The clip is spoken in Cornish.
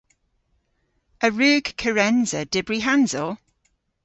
A wrug Kerensa dybri hansel?